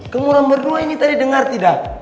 kemurahan berdua ini tadi dengar tidak